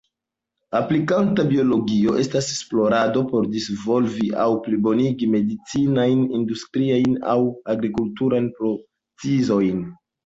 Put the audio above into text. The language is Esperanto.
Aplikata biologio estas esplorado por disvolvi aŭ plibonigi medicinajn, industriajn, aŭ agrikulturajn procezojn.